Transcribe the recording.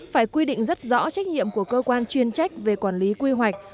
phải quy định rất rõ trách nhiệm của cơ quan chuyên trách về quản lý quy hoạch